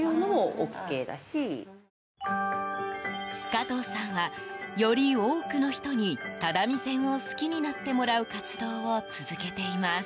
加藤さんは、より多くの人に只見線を好きになってもらう活動を続けています。